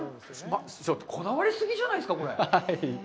こだわりすぎじゃないですか、これ。